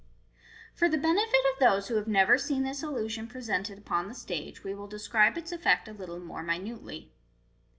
For the benefit of those who have never seen this illusion pre sented upon the stage, we will describe its effect a little more minutely.